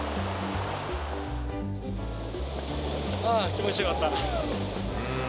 あー、気持ちよかった。